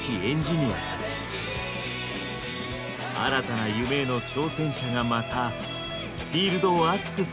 新たな夢への挑戦者がまたフィールドを熱くする日がきっとやって来る。